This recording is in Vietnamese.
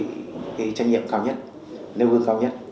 cái trách nhiệm cao nhất nêu cư cao nhất